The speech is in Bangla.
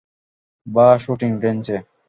বা শুটিং রেঞ্জে।